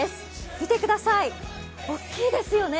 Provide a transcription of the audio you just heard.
見てください、大きいですよね。